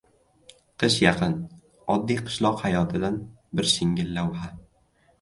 Qish yaqin: oddiy qishloq hayotidan bir shingil lavha